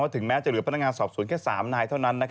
ถึงแม้จะเหลือพนักงานสอบสวนแค่๓นายเท่านั้น